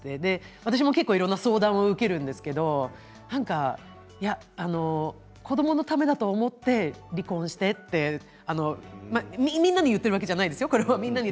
私もいろいろな相談を受けるんですけれど子どものためだと思って離婚してってみんなに言っているわけではないですけれどね。